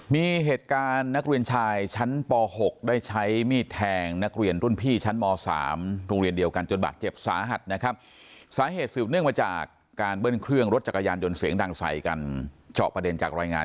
มีเหตุการณ์นักเรียนชายชั้นป๖ได้ใช้มีดแทงนักเรียนรุ่นพี่ชั้นม๓โรงเรียนเดียวกันจนบาดเจ็บสาหัสนะครับสาเหตุสืบเนื่องมาจากการเบิ้ลเครื่องรถจักรยานยนต์เสียงดังใส่กันเจาะประเด็นจากรายงาน